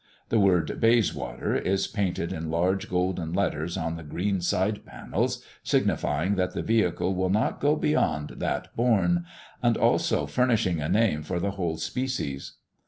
The word "BAYSWATER" is painted in large golden letters on the green side panels, signifying that the vehicle will not go beyond "that bourn," and also furnishing a name for the whole species.